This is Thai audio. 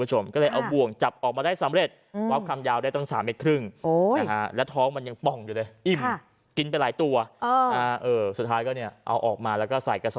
ผู้ชมก็เลยเอาบ่วงจับออกมาได้สำเร็จวับคำยาวได้ต้อง